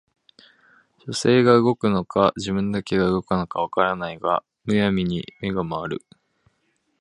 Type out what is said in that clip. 書生が動くのか自分だけが動くのか分からないが無闇に眼が廻る